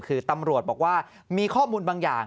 คือตำรวจบอกว่ามีข้อมูลบางอย่าง